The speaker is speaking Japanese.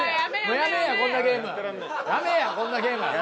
もうやめやこんなゲーム。